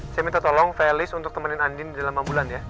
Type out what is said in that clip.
saya minta tolong felis untuk temenin andin dalam ambulan ya